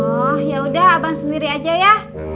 oh yaudah abang sendiri aja ya